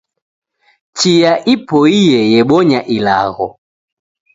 Chia ipoiye yebonya ilagho